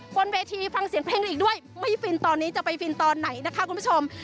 บนเวทีฟังเสียงเพลงอีกด้วยไม่ฟินตอนนี้จะไปฟินตอนไหนนะคะคุณผู้ชม